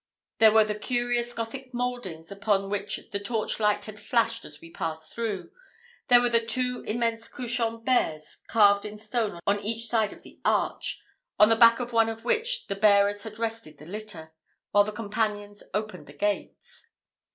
There were the curious Gothic mouldings upon which the torch light had flashed as we passed through there were the two immense couchant bears carved in stone on each side of the arch, on the back of one of which the bearers had rested the litter, while their companions opened the gates.